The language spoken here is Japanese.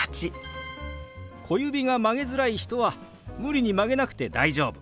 小指が曲げづらい人は無理に曲げなくて大丈夫。